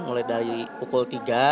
mulai dari pukul tiga empat puluh lima